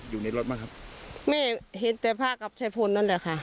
อยู่ในรถบ้างครับแม่เห็นแต่พระกับชายพลนั่นแหละค่ะ